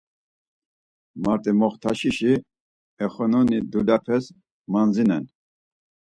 Mart̆i moxtasişi oxenoni dulyapes mandzinen.